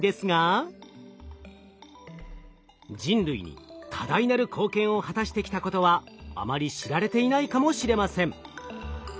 人類に多大なる貢献を果たしてきたことはあまり知られていないかもしれません。